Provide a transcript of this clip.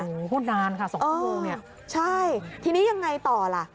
โอ้โหพูดนานค่ะสองชั่วโมงเนี่ยใช่ทีนี้ยังไงต่อล่ะ